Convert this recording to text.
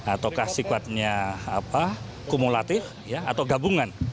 ataukah sifatnya kumulatif atau gabungan